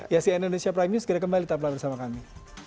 ya cn indonesia prime news segera kembali tetaplah bersama kami